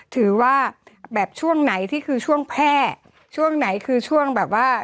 ถือว่าแบบช่วงไหนที่คือช่วงแพร่ช่วงไหนคือช่วงแบบว่า